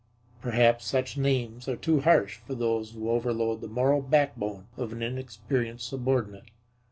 Perhaps such names are too harsh for those who overload the moral backbone of an inexperienced subordinate.